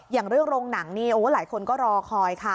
อย่างเรื่องโรงหนังนี่โอ้หลายคนก็รอคอยค่ะ